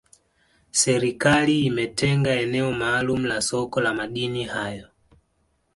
serikali imetenga eneo maalumu la soko la madini hayo